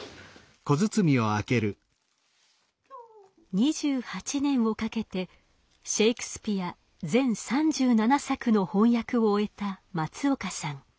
２８年をかけてシェイクスピア全３７作の翻訳を終えた松岡さん。